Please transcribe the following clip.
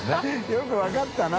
よく分かったな。